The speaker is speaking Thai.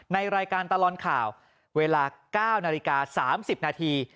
ในรายการตลอดข่าวเวลา๙นาฬิกา๓๐นาที